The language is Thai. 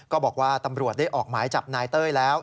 ก็บอกว่าตำรวจได้ออกหมายจับนายเต้ยแล้ว